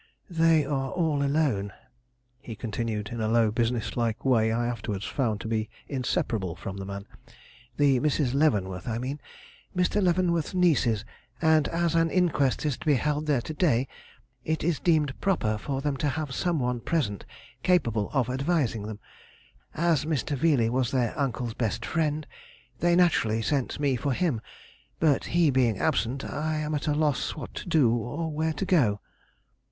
"They are all alone," he continued in a low business like way I afterwards found to be inseparable from the man; "the Misses Leavenworth, I mean Mr. Leavenworth's nieces; and as an inquest is to be held there to day it is deemed proper for them to have some one present capable of advising them. As Mr. Veeley was their uncle's best friend, they naturally sent me for him; but he being absent I am at a loss what to do or where to go."